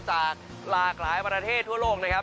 จากหลากหลายประเทศทั่วโลกนะครับ